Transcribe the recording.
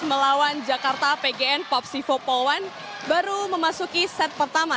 melawan jakarta pgn popsivo polwan baru memasuki set pertama